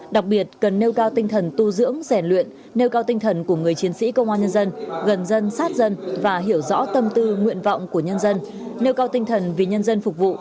đặc biệt cần nêu cao tinh thần tu dưỡng rèn luyện nêu cao tinh thần của người chiến sĩ công an nhân dân